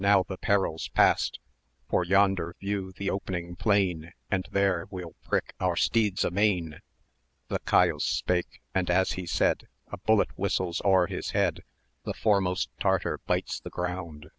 now the peril's past; For yonder view the opening plain, And there we'll prick our steeds amain:" 570 The Chiaus spake, and as he said, A bullet whistled o'er his head; The foremost Tartar bites the ground!